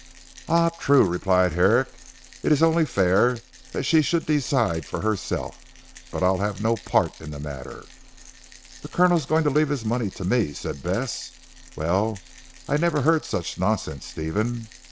"Ah! true," replied Herrick, "it is only fair that she should decide for herself. But I'll have no part in the matter." "The Colonel going to leave his money to me," cried Bess, "well I never heard such nonsense Stephen.